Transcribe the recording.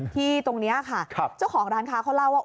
ที่ตรงนี้ค่ะเจ้าของร้านค้าเขาเล่าว่า